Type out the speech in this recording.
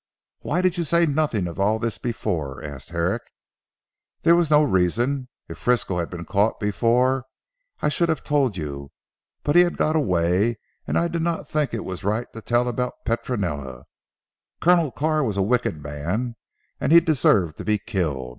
"Why did you say nothing of all this before?" asked Herrick. "There was no reason. If Frisco had been caught before, I should have told you. But he had got away, and I did not think it was right to tell about Petronella. Colonel Carr was a wicked man, and he deserved to be killed.